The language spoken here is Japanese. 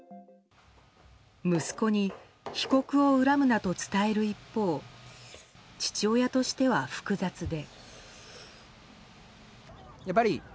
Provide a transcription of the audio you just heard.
息子に被告を恨むなと伝える一方父親としては複雑で。